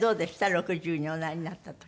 ６０におなりになった時。